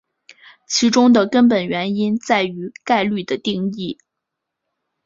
其中的根本原因在于概率的定义。